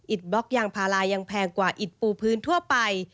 บล็อกยางพารายังแพงกว่าอิดปูพื้นทั่วไป